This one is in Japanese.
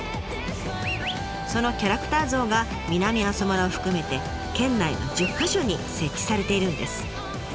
そのキャラクター像が南阿蘇村を含めて県内の１０か所に設置されているんです。